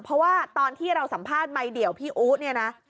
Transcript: เพราะว่าตอนที่เราสัมภาษณ์ไมคเดี่ยวพี่อุ๊เนี่ยนะ